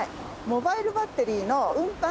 モバイルバッテリーの運搬？